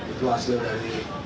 itu hasil dari